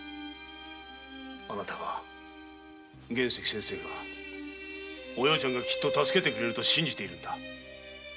あなたが玄石先生がお葉ちゃんがきっと助けてくれると信じているのだ。